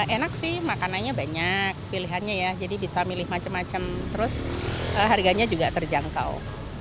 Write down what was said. enak sih makanannya banyak pilihannya ya jadi bisa milih macem macem terus harganya juga terjangkau